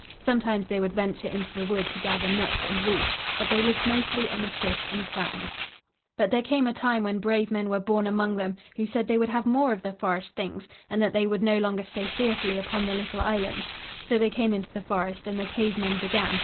Sometimes they would venture into the wood to gather nuts and roots, but they lived mostly on the fish and clams. But there came a time when brave men were born among them who said they would have more of the forest things, and that they would no longer stay fearfully upon the little islands. So they came into the forest and the Cave Men began.